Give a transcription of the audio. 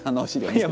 いや。